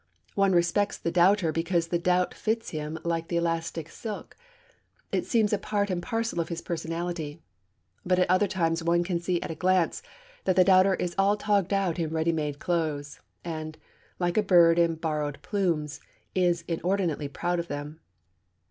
One respects the doubter because the doubt fits him like the elastic silk; it seems a part and parcel of his personality. But at other times one can see at a glance that the doubter is all togged out in ready made clothes, and, like a bird in borrowed plumes, is inordinately proud of them.